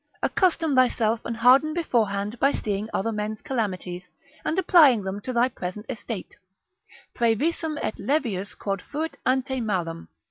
accustom thyself, and harden beforehand by seeing other men's calamities, and applying them to thy present estate; Praevisum est levius quod fuit ante malum.